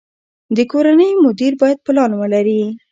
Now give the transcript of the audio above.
د کورنۍ مدیر باید پلان ولري.